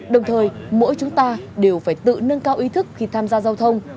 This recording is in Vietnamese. đồng thời mỗi chúng ta đều phải tự nâng cao ý thức khi tham gia giao thông